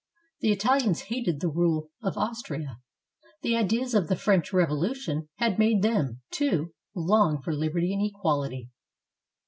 The Italians hated the rule of Aus tria. The ideas of the French Revolution had made them, too, long for liberty and equality.